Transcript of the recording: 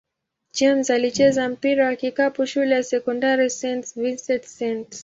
James alicheza mpira wa kikapu shule ya sekondari St. Vincent-St.